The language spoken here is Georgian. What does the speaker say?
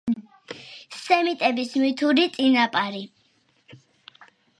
სემიტების მითური წინაპარი.